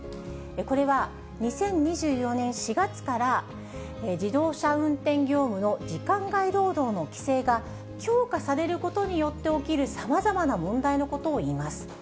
これは２０２４年４月から、自動車運転業務の時間外労働の規制が強化されることによって起きるさまざまな問題のことをいいます。